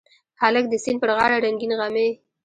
هلک د سیند پر غاړه رنګین غمي